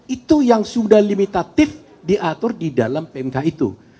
itu yang sudah limitatif diatur di dalam pmk itu